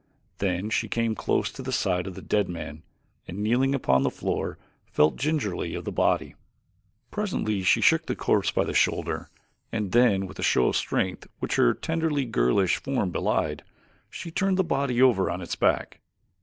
Then she came close to the side of the dead man and kneeling upon the floor felt gingerly of the body. Presently she shook the corpse by the shoulder, and then with a show of strength which her tenderly girlish form belied, she turned the body over on its back.